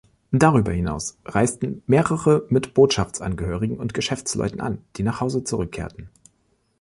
Darüber hinaus reisten mehrere mit Botschaftsangehörigen und Geschäftsleuten an, die nach Hause zurückkehrten.